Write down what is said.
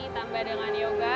tambah dengan yoga